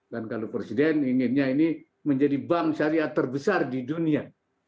dan kalau presiden inginnya ini menjadi bank syariah terbesar di dunia